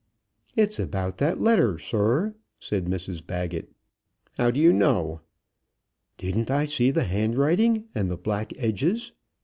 "It's about that letter, sir," said Mrs Baggett. "How do you know?" "Didn't I see the handwriting, and the black edges?